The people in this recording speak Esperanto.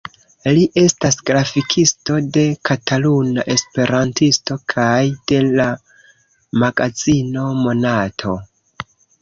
Li estas grafikisto de "Kataluna Esperantisto" kaj de la magazino "Monato".